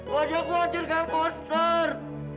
wajahku hancur kayak monster